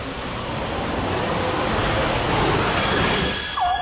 あっ！